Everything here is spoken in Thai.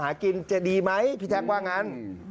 หากินจะดีไหมพี่แท็กว่างั้น